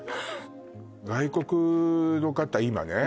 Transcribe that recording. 外国の方今ね